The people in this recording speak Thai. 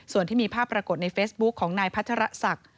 ส่วนที่มีภาพปรากฏในเฟซบุ๊คของนายพัทรศักดิ์